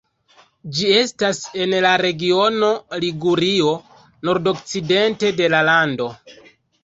Ĝi estas en la regiono Ligurio nordokcidente de la lando.